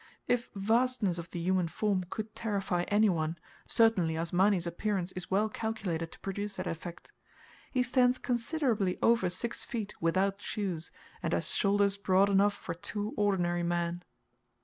If vastness of the human form could terrify any one, certainly Asmani's appearance is well calculated to produce that effect. He stands considerably over six feet without shoes, and has shoulders broad enough for two ordinary men.